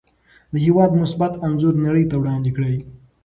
د هېواد مثبت انځور نړۍ ته وړاندې کړئ.